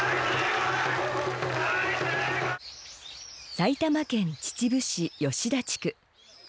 埼玉県秩父市吉田地区。